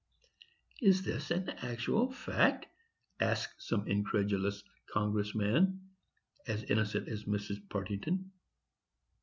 "Is this an actual fact?" asks some incredulous Congress man, as innocent as Mrs. Partington.